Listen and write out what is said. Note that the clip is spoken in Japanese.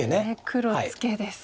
黒ツケです。